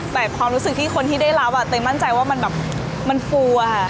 แต่ความรู้สึกที่คนที่ได้รับเตยมั่นใจว่ามันแบบมันฟูอะค่ะ